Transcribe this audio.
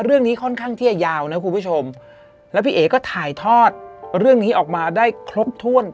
เรื่องนี้ค่อนข้างที่จะยาวนะคุณผู้ชมแล้วพี่เอ๋ก็ถ่ายทอดเรื่องนี้ออกมาได้ครบถ้วน